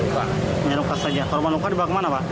luka luka saja korban luka dibawa ke mana pak